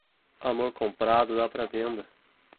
Amor comprado dá para venda.